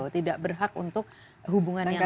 tidak berhak untuk hubungan yang setara